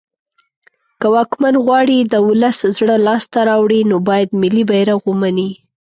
که واکمن غواړی د ولس زړه لاس ته راوړی نو باید ملی بیرغ ومنی